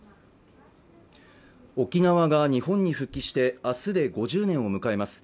沖縄が日本に復帰してあすで５０年を迎えます